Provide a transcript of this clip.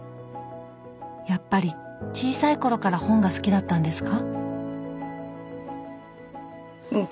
やっぱり小さい頃から本が好きだったんですか？